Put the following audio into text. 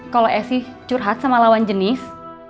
kalau esi curhat sama lawan jenis